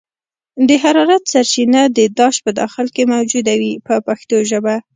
د حرارت سرچینه د داش په داخل کې موجوده وي په پښتو ژبه.